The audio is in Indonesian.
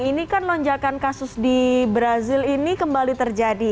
ini kan lonjakan kasus di brazil ini kembali terjadi